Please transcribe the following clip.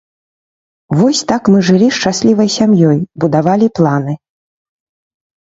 Вось так мы жылі шчаслівай сям'ёй, будавалі планы.